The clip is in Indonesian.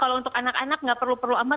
kalau untuk anak anak nggak perlu perlu amat